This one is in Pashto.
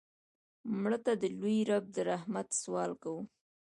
مړه ته د لوی رب د رحمت سوال کوو